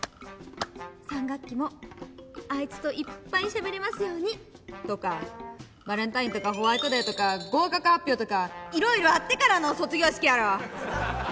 「３学期もあいつといっぱいしゃべれますように」とかバレンタインとかホワイトデーとか合格発表とかいろいろあってからの卒業式やろ？